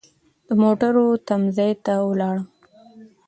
د موټرو تم ځای ته ولاړم.